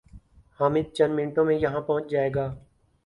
حامد چند منٹوں میں یہاں پہنچ جائے گا